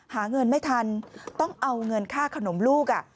หาเงินไม่ทันต้องเอาเงินค่าขนมลูก